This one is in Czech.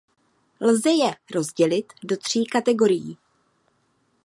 Lze je rozdělit do tří kategorií.